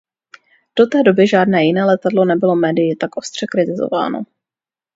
Do té doby žádné jiné letadlo nebylo médii tak ostře kritizováno.